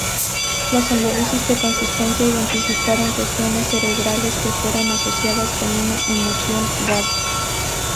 Los análisis de consistencia identificaron regiones cerebrales que fueron asociadas con una emoción dada.